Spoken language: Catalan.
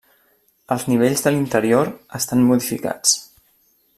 Els nivells de l'interior estan modificats.